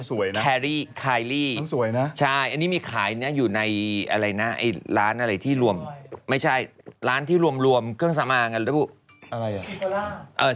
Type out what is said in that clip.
มันสวยนะคายลี่คายลี่ใช่อันนี้มีขายอยู่ในอะไรนะร้านอะไรที่รวมไม่ใช่ร้านที่รวมเครื่องสำอางอะไรต้องพูด